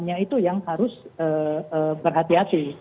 nah itu yang harus berhati hati